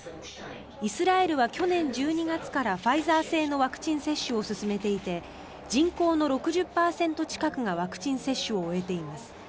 イスラエルは去年１２月からファイザー製のワクチン接種を進めていて人口の６０％近くがワクチン接種を終えています。